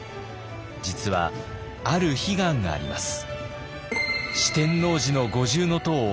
実はある悲願があります。